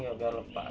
iya biar lepas